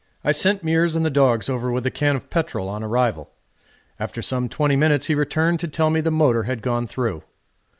I sent Meares and the dogs over with a can of petrol on arrival. After some twenty minutes he returned to tell me the motor had gone through.